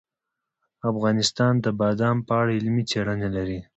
افغانستان د بادام په اړه علمي څېړنې لري.